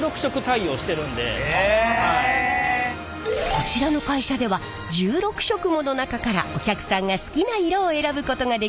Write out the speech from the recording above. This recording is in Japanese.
こちらの会社では１６色もの中からお客さんが好きな色を選ぶことができるんです。